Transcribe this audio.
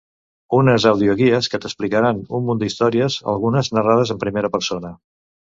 Unes audioguies que t'explicaran un munt d'històries, algunes narrades en primera persona.